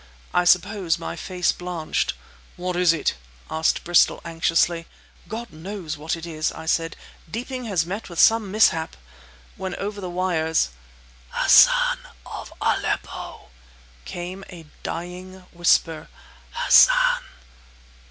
I suppose my face blanched. "What is it?" asked Bristol anxiously. "God knows what it is!" I said. "Deeping has met with some mishap—" When, over the wires— "Hassan of Aleppo!" came a dying whisper. "Hassan